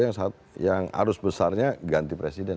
yang satu yang arus besarnya ganti presiden